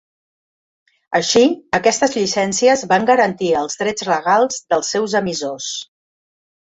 Així, aquestes llicències van garantir els drets legals dels seus emissors.